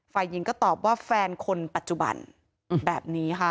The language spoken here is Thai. ฝ่ายหญิงก็ตอบว่าแฟนคนปัจจุบันแบบนี้ค่ะ